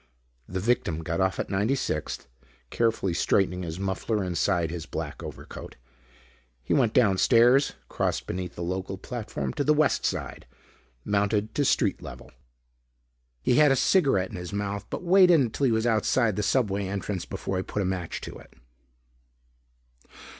The victim got off at 96th, carefully straightening his muffler inside his black overcoat. He went downstairs, crossed beneath the local platform to the west side, mounted to street level. He had a cigaret in his mouth but waited until he was outside the subway entrance before he put a match to it.